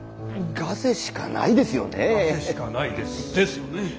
ガセしかないです。ですよね。